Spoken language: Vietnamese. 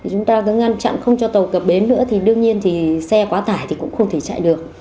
chúng ta cứ ngăn chặn không cho tàu cập bến nữa thì đương nhiên thì xe quá tải thì cũng không thể chạy được